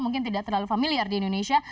mungkin tidak terlalu familiar di indonesia